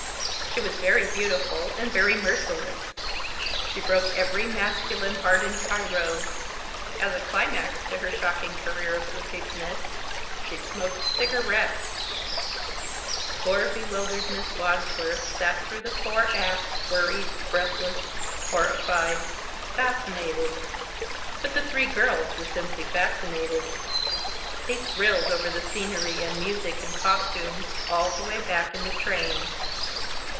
She was very beautiful and very merciless; she broke every masculine heart in Cairo. As a climax to her shocking career of wickedness, she smoked cigarettes! Poor bewildered Miss Wadsworth sat through the four acts, worried, breathless, horrified fascinated; but the three girls were simply fascinated. They thrilled over the scenery and music and costumes all the way back in the train.